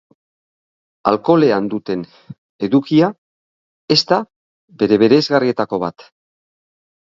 Alkoholean duten edukia, ez da bere bereizgarrietako bat.